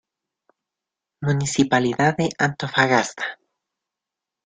Municipalidad de Antofagasta.